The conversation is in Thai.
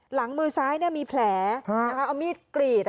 หลังมือซ้ายมีแผลเอามีดกรีด